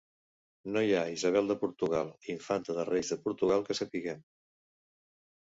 No hi ha Isabel de Portugal Infanta de Reis de Portugal que sapiguem.